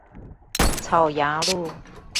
草衙路